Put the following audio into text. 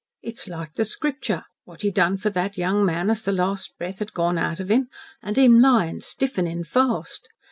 "It's like the Scripture, wot he done for that young man as the last breath had gone out of him, an' him lyin' stiffening fast.